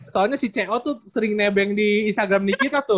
soalnya si co tuh sering nebeng di instagram di kita tuh